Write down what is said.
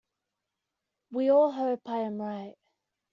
We all hope I am right.